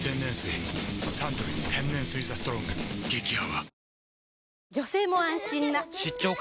サントリー天然水「ＴＨＥＳＴＲＯＮＧ」激泡